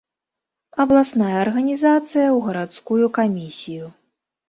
Абласная арганізацыя ў гарадскую камісію.